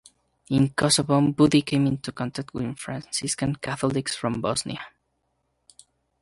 In Kosovo, Budi came into contact with Franciscan Catholics from Bosnia.